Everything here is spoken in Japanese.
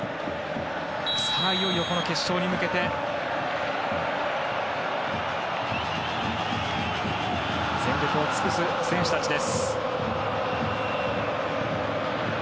いよいよ決勝に向けて全力を尽くす選手たちです。